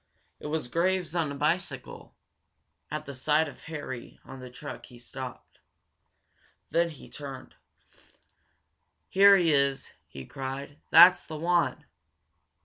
It was Graves, on a bicycle. At the sight of Harry on the truck he stopped. Then he turned. "Here he is!" he cried. "That's the one!"